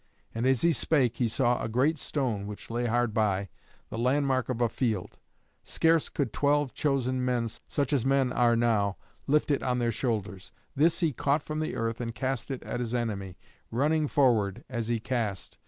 And as he spake he saw a great stone which lay hard by, the landmark of a field. Scarce could twelve chosen men, such as men are now, lift it on their shoulders. This he caught from the earth and cast it at his enemy, running forward as he cast.